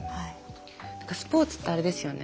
スポーツってあれですよね